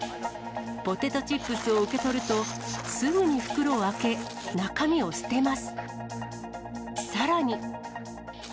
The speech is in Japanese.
ポテトチップスを受け取るとすぐに袋を開け、中身を捨てます。